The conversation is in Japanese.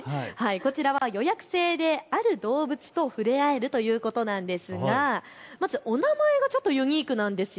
こちらは予約制である動物と触れ合えるということなんですがまずお名前がユニークなんです。